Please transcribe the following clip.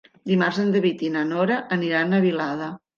Dimarts en David i na Nora aniran a Vilada.